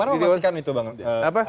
bagaimana memastikan itu bang